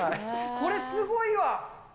これすごいわ。